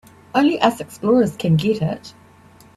Only us explorers can get it.